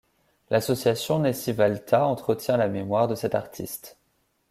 L'Association Nessi-Valtat entretient la mémoire de cette artiste.